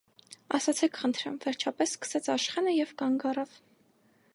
- Ասացեք խնդրեմ,- վերջապես սկսեց Աշխենը և կանգ առավ: